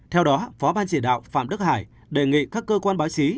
theo đó phó ban chỉ đạo phạm đức hải đề nghị các cơ quan báo chí